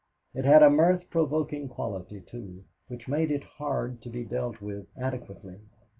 It had a mirth provoking quality, too, which made it hard to be dealt with adequately.